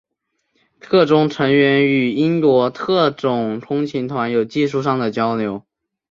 课中成员与英国特种空勤团有技术上的交流。